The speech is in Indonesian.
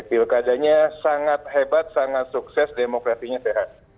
pilkadanya sangat hebat sangat sukses demokrasinya sehat